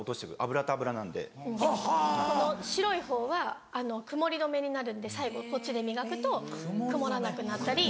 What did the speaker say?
白いほうは曇り止めになるんで最後こっちで磨くと曇らなくなったり。